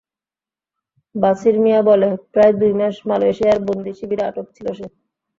বাছির মিয়া বলে, প্রায় দুই মাস মালেশিয়ার বন্দিশিবিরে আটক ছিল সে।